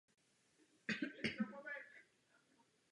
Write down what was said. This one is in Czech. Trojúhelníkový štít nad hlavní římsou zdobí znak Boží prozřetelnosti.